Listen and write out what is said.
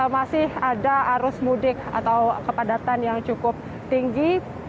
masih ada arus mudik atau kepadatan yang cukup tinggi